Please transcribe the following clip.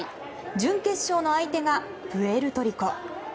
準決勝の相手がプエルトリコ。